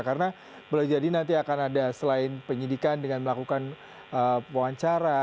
karena boleh jadi nanti akan ada selain penyidikan dengan melakukan wawancara